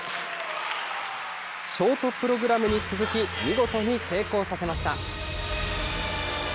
ショートプログラムに続き、見事に成功させました。